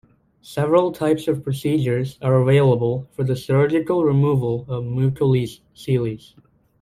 Several types of procedures are available for the surgical removal of mucoceles.